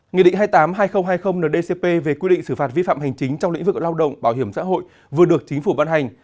nghị định hai mươi tám hai nghìn hai mươi ndcp về quy định xử phạt vi phạm hành chính trong lĩnh vực lao động bảo hiểm xã hội vừa được chính phủ ban hành